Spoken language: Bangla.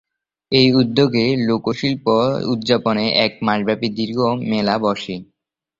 এর উদ্যোগে লোকশিল্প উদযাপনে এক মাসব্যাপী দীর্ঘ মেলা বসে।